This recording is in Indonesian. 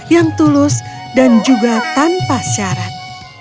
yang tulus dan juga tanpa syarat